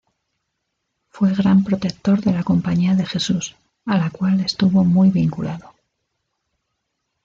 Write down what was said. Fue gran protector de la Compañía de Jesús, a la cual estuvo muy vinculado.